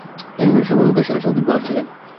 তিনি ইংল্যান্ডের সর্বাপেক্ষা সেরা শৌখিন বোলার ছিলেন।